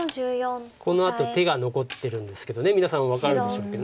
このあと手が残ってるんですけど皆さん分かるでしょうか。